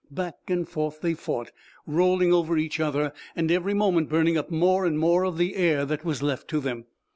Back and forth they fought, rolling over each other, and every moment burning up more and more of the air that was left to them.